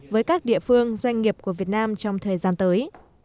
với các địa phương doanh nghiệp của việt nam trong thời gian tới